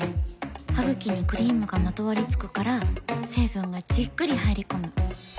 ハグキにクリームがまとわりつくから成分がじっくり入り込む。